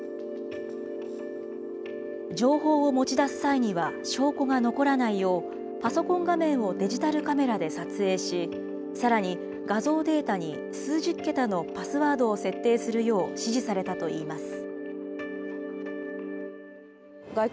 情報を持ち出す際には証拠が残らないよう、パソコン画面をデジタルカメラで撮影し、さらに画像データに数十桁のパスワードを設定するよう指示されたといいます。